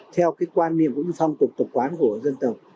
theo cái quan niệm cũng như phong tục tập quán của dân tộc